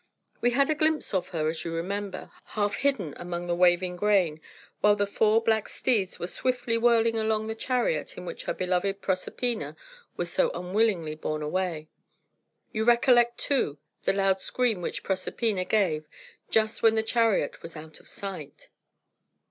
We had a glimpse of her, as you remember, half hidden among the waving grain, while the four black steeds were swiftly whirling along the chariot in which her beloved Proserpina was so unwillingly borne away. You recollect, too, the loud scream which Proserpina gave, just when the chariot was out of sight.